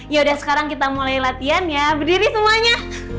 yaudah sekarang kita mulai latihan ya berdiri semuanya